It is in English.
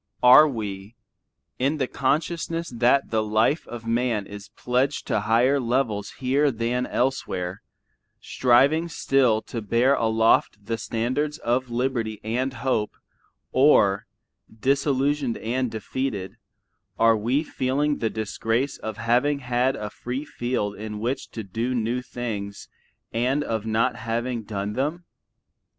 Are we, in the consciousness that the life of man is pledged to higher levels here than elsewhere, striving still to bear aloft the standards of liberty and hope, or, disillusioned and defeated, are we feeling the disgrace of having had a free field in which to do new things and of not having done them?